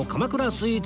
スイーツ